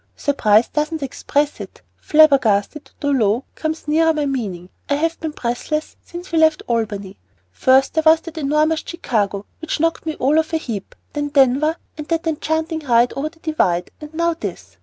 "'Surprised' doesn't express it. 'Flabbergasted,' though low, comes nearer my meaning. I have been breathless ever since we left Albany. First there was that enormous Chicago which knocked me all of a heap, then Denver, then that enchanting ride over the Divide, and now this!